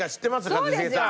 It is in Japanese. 一茂さん。